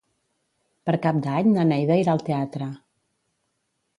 Per Cap d'Any na Neida irà al teatre.